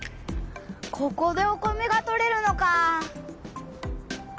ここでお米がとれるのかあ！